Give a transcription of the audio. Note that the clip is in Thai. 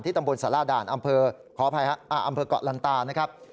ตำบลสาราด่านอำเภอขออภัยครับอำเภอกเกาะลันตานะครับ